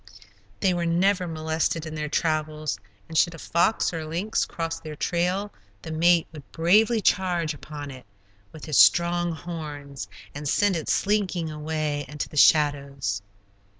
They were never molested in their travels, and should a fox or lynx cross their trail, the mate would bravely charge upon it with his strong horns, and send it slinking away into the shadows.